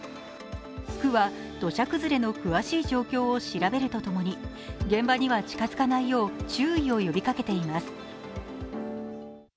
区は土砂崩れの詳しい状況を調べるとともに現場には近づかないよう注意を呼びかけています。